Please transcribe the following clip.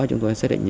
chúng tôi xác định